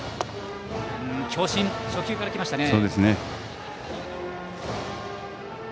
強振、初球から来ましたね。